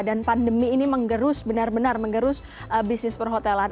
dan pandemi ini mengerus benar benar mengerus bisnis perhotelan